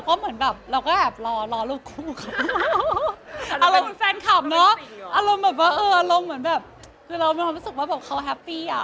คืออารมณ์เหมือนแบบคือเรามีความรู้สึกว่าเขาแฮปปี้อ่ะ